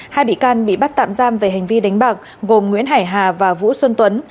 hai bị can bị bắt tạm giam về hành vi đánh bạc gồm nguyễn hải hà và vũ xuân tuấn